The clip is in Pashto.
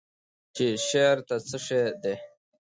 چې شعر څه شی دی؟